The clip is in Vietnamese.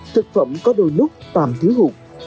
thực phẩm có đôi nút tạm thiếu hụt